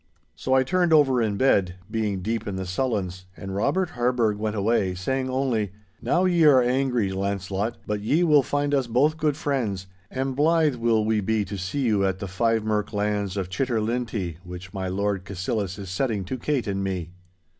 So I turned over in bed, being deep in the sullens, and Robert Harburgh went away, saying only, 'Now ye are angry, Launcelot, but ye will find us both good friends, and blythe will we be to see you at the five merk lands of Chitterlintie which my Lord Cassillis is setting to Kate and me.